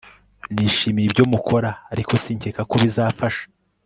Nishimiye ibyo mukora ariko sinkeka ko bizafasha